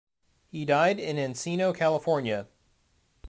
He died in Encino, California.